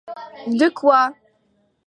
De quoi!